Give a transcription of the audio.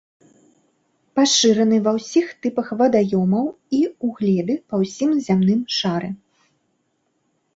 Пашыраны ва ўсіх тыпах вадаёмаў і ў глебе па ўсім зямным шары.